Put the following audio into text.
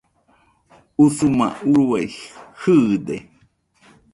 Usuma urue jɨɨde